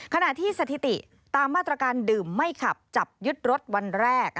ขณะที่สถิติตามมาตรการดื่มไม่ขับจับยึดรถวันแรก